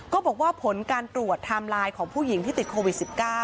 ก็บอกว่าผลการตรวจไทม์ไลน์ของผู้หญิงที่ติดโควิด๑๙